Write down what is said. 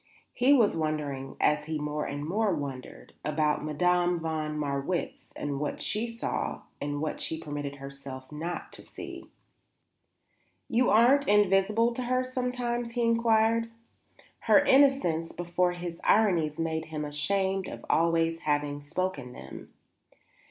He was wondering, as he more and more wondered, about Madame von Marwitz, and what she saw and what she permitted herself not to see. "You aren't invisible to her sometimes?" he inquired. Her innocence before his ironies made him ashamed always of having spoken them.